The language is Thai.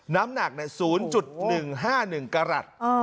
น้ำหนัก๐๑๕๑กรัฐ